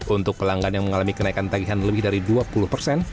untuk pelanggan yang mengalami kenaikan tagihan lebih dari dua puluh persen